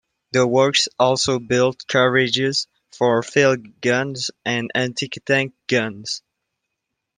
The works also built carriages for field guns and anti-tank guns.